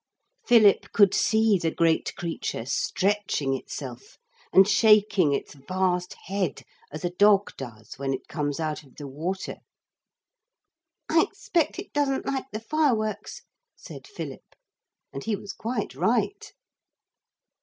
Philip could see the great creature stretching itself and shaking its vast head as a dog does when it comes out of the water. 'I expect it doesn't like the fireworks,' said Philip. And he was quite right.